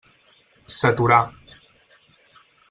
S'aturà.